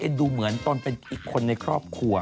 ดูเหมือนตนเป็นอีกคนในครอบครัว